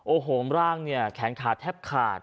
โอ้โหร่างเนี่ยแขนขาแทบขาด